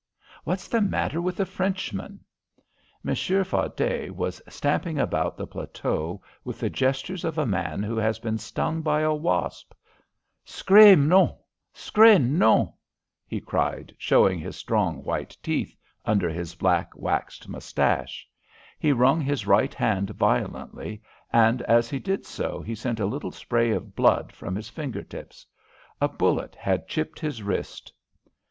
What's the matter with the Frenchman?" Monsieur Fardet was stamping about the plateau with the gestures of a man who has been stung by a wasp. "S'cré nom! S'cré nom!" he shouted, showing his strong white teeth under his black waxed moustache. He wrung his right hand violently, and as he did so he sent a little spray of blood from his finger tips. A bullet had chipped his wrist.